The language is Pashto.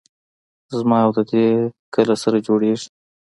زما او د دې کله سره جوړېږي.